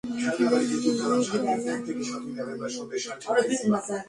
Kilo valley, Tololing এর দক্ষিণে।